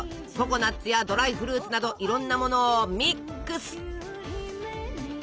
ココナツやドライフルーツなどいろんなものをミックス！